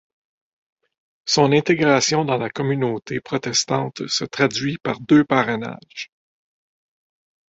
Son intégration dans la communauté protestante se traduit par deux parrainages.